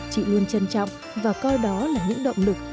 chị luôn trân trọng và coi đó là những động lực